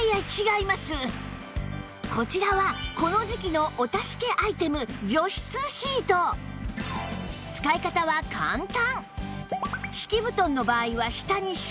こちらはこの時季のお助けアイテム除湿シート！でオーケー